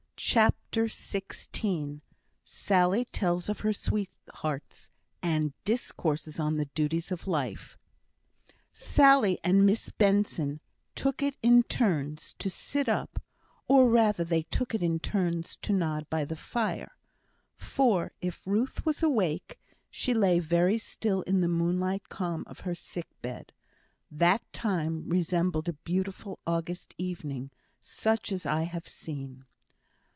CHAPTER XVI Sally Tells of Her Sweethearts, and Discourses on the Duties of Life Sally and Miss Benson took it in turns to sit up, or rather, they took it in turns to nod by the fire; for if Ruth was awake she lay very still in the moonlight calm of her sick bed. That time resembled a beautiful August evening, such as I have seen.